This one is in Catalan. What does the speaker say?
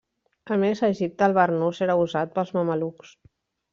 A més, a Egipte el barnús era usat pels mamelucs.